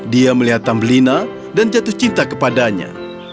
dia melihat tambelina dan jatuh cinta kepadanya